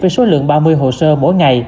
với số lượng ba mươi hồ sơ mỗi ngày